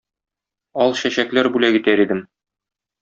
Ал чәчәкләр бүләк итәр идем